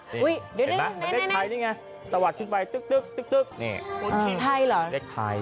เห็นไหมเลขไทยนี่ไงตะวัดขึ้นไปนี่เลขไทย